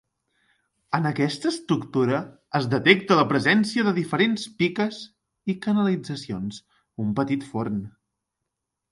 En aquesta estructura es detecta la presència de diferents piques i canalitzacions, un petit forn.